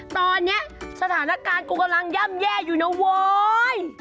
ตอนนี้สถานการณ์กูกำลังย่ำแย่อยู่นะเว้ย